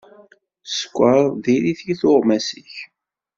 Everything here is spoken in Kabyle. Sskeṛ diri-t i tuɣmas-ik.